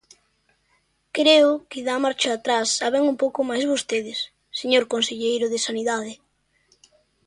Creo que da marcha atrás saben un pouco máis vostedes, señor conselleiro de Sanidade.